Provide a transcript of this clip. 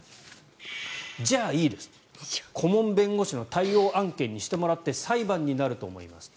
じゃあいいですと、顧問弁護士の対応案件にしてもらって裁判になると思いますと。